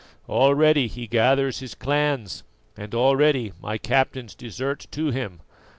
Already he gathers his clans, and already my captains desert to him.